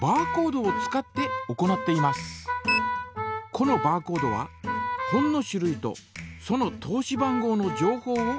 このバーコードは本の種類とその通し番号の情報を表しています。